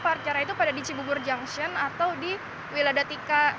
parkirnya itu pada di cibubur junction atau di wiladatika